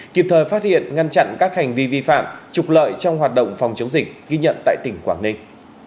kịp thời phát hiện ngăn chặn các hành vi vi phạm trục lợi trong hoạt động phòng chống dịch ghi nhận tại tỉnh quảng ninh